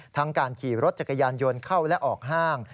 การขี่รถจักรยานยนต์เข้าและออกห้าง